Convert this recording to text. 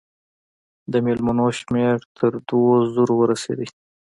د مېلمنو شمېر تر دوو زرو ورسېدی.